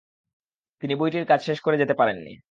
তিনি বইটির কাজ শেষ করে যেতে পারেননি।